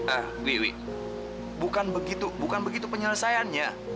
ah wi wi bukan begitu bukan begitu penyelesaiannya